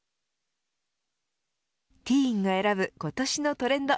ティーンが選ぶ今年のトレンド。